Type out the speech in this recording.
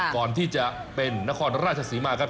ก่อนที่จะเป็นนครราชศรีมาครับ